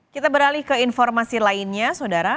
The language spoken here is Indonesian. kita beralih ke informasi lainnya saudara